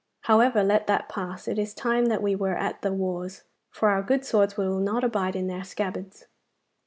However, let that pass. It is time that we were at the wars, for our good swords will not bide in their scabbards.